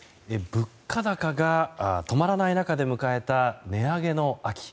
物価高が止まらない中で迎えた値上げの秋。